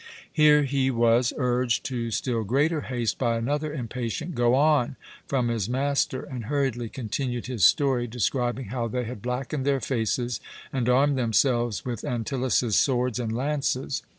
Here he was urged to still greater haste by another impatient "Go on!" from his master, and hurriedly continued his story, describing how they had blackened their faces and armed themselves with Antyllus's swords and lances.